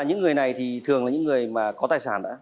những người này thì thường là những người mà có tài sản đã